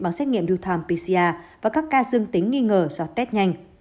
bằng xét nghiệm dutom pcr và các ca dương tính nghi ngờ do test nhanh